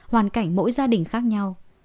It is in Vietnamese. hoàn cảnh mỗi gia đình khác nhau